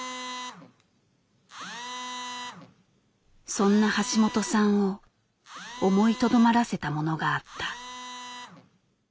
そんな橋本さんを思いとどまらせたものがあった。